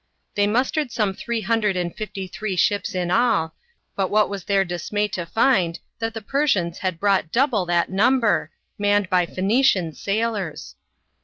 They mustered some three hundred and fifty three ships in all, btit what \vas their dismay to find, that the Per sians had brought double that number, manned by Phoenician sailors